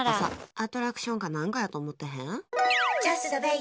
アトラクションか何かやと思ってへん？